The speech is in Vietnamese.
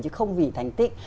chứ không vì thành tích